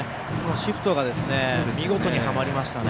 シフトが見事にはまりましたね。